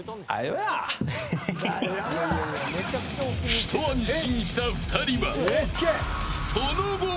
一安心した２人はその後も。